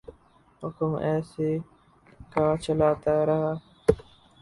حکم اسی کا چلتاہے۔